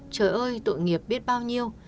trời ơi tội nghiệp biết bao nhiêu